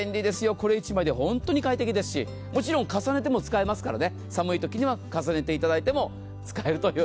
これ１枚で本当に快適ですしもちろん重ねても使えますから寒いときには重ねていただいても使えるという。